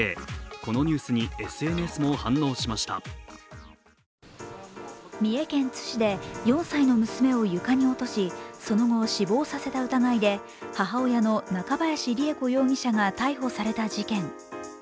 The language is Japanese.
このニュースにＳＮＳも反応しました三重県津市で４歳の娘を床に落としその後死亡させた疑いで母親の中林りゑ子容疑者が逮捕された事件。